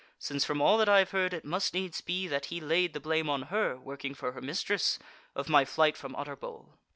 since from all that I have heard, it must needs be that he laid the blame on her (working for her mistress) of my flight from Utterbol."